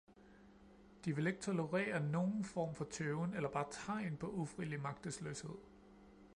De vil ikke tolerere nogen form for tøven eller bare tegn på ufrivillig magtesløshed.